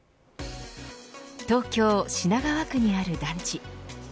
東京、品川区にある団地。